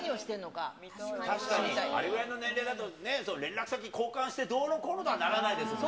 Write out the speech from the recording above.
確かに、あれぐらいの年齢だとね、連絡先交換してどうのこうのとはならないですよね。